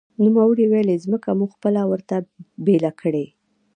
نوموړي ویلي، ځمکه مو خپله ورته بېله کړې